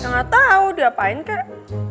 gak tau udah apain kak